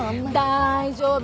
大丈夫！